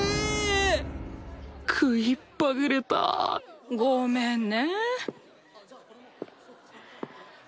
食いっぱぐれたごめんね。